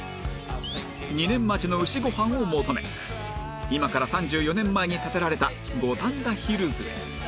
２年待ちの牛ご飯を求め今から３４年前に建てられた五反田ヒルズへ